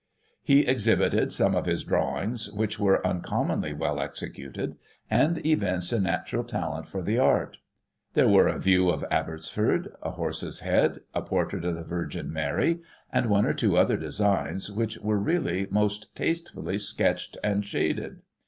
He exhibited some of his drawings, which were un commonly well executed, and evinced a natural talent for the art. There were a view of Abbotsford, a horse's head, a portrait of the Virgin Mary, and one or two other designs, which were, really, most tastefully sketched and shaded.